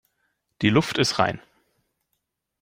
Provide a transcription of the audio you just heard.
Die Luft ist rein.